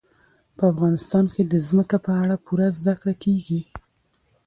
په افغانستان کې د ځمکه په اړه پوره زده کړه کېږي.